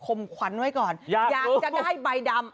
มขวัญไว้ก่อนอยากจะได้ใบดำ